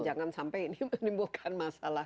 jangan sampai ini menimbulkan masalah